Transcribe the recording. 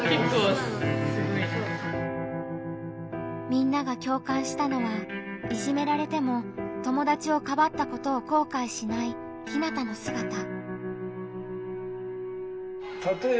みんなが共感したのはいじめられても友達をかばったことを後悔しないひなたのすがた。